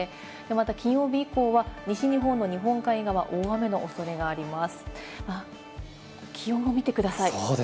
また金曜日以降は西日本の日本海側は大雨のおそれがあります。